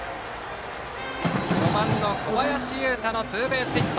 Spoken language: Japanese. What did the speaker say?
４番の小林優太のツーベースヒット。